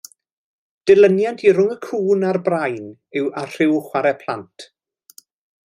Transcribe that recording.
Dilyniant i Rhwng y Cŵn a'r Brain a Rhyw Chwarae Plant.